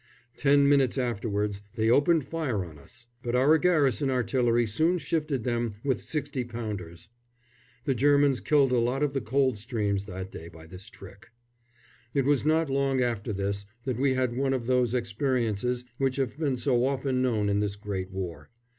Ten minutes afterwards they opened fire on us; but our garrison artillery soon shifted them with sixty pounders. The Germans killed a lot of the Coldstreams that day by this trick. It was not long after this that we had one of those experiences which have been so often known in this great war.